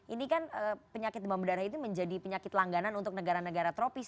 ini kan penyakit demam berdarah itu menjadi penyakit langganan untuk negara negara tropis